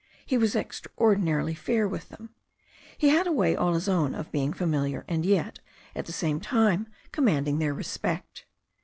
He was extraordinar ily fair with them. He had a way all his own of being fa miliar, and yet, at the same time, commanding their respect.